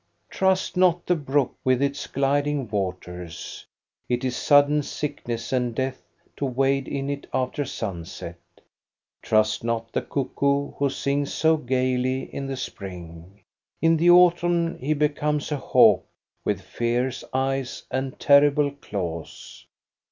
Trust not the brook with its gliding waters. It is sudden sickness and death to wade in it after sunset. Trust not the cuckoo, who sings so gayly in the spring. In the autumn he becomes a hawk with fierce eyes and terrible claws.